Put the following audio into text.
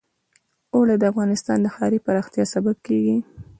اوړي د افغانستان د ښاري پراختیا سبب کېږي.